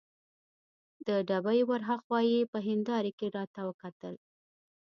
د ډبې ور هاخوا یې په هندارې کې راته وکتل.